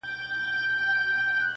خپل پر ټولو فیصلو دستي پښېمان سو.